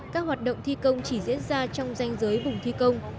các hoạt động thi công chỉ diễn ra trong danh giới vùng thi công